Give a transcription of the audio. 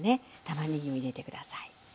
たまねぎを入れて下さい。